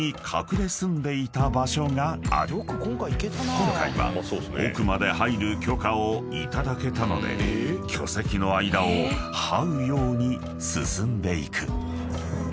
［今回は奥まで入る許可を頂けたので巨石の間をはうように進んでいく］